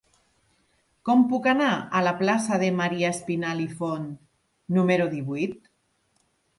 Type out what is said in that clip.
Com puc anar a la plaça de Maria Espinalt i Font número divuit?